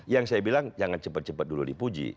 yang saya bilang jangan cepat cepat dulu dipuji